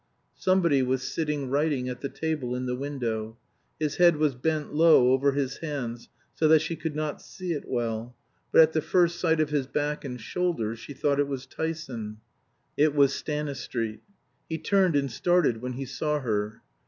Somebody was sitting writing at the table in the window. His head was bent low over his hands, so that she could not see it well; but at the first sight of his back and shoulders she thought it was Tyson. It was Stanistreet. He turned and started when he saw her.